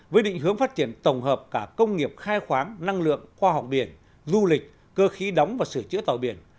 với định hướng phát triển tổng hợp cả công nghiệp khai khoáng năng lượng khoa học biển du lịch cơ khí đóng và sửa chữa tàu biển